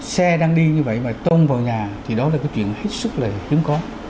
xe đang đi như vậy mà tôn vào nhà thì đó là cái chuyện hết sức là hiếm có